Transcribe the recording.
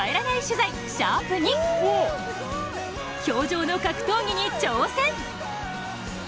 氷上の格闘技に挑戦。